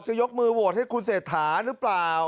ยกมือโหวตให้คุณเศรษฐาหรือเปล่า